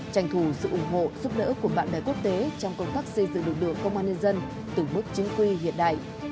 tranh thủ sự ủng hộ giúp đỡ của bạn bè quốc tế trong công tác xây dựng lực lượng công an nhân dân từng bước chính quy hiện đại